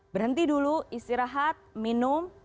berhenti dulu istirahat minum